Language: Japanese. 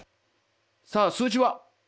さあ数字は？